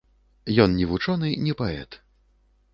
Ён не вучоны, не паэт.